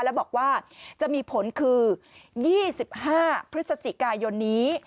แล้วบอกว่าจะมีผลคือ๒๕พฤศจิกายนนี้